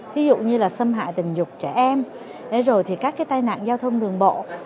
thí dụ như là xâm hại tình dục trẻ em rồi thì các cái tai nạn giao thông đường bộ